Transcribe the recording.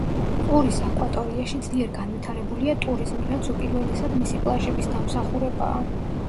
ყურის აკვატორიაში ძლიერ განვითარებულია ტურიზმი, რაც უპირველესად მისი პლაჟების დამსახურებაა.